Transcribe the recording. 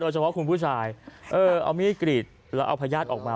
เฉพาะคุณผู้ชายเอามีดกรีดแล้วเอาพญาติออกมา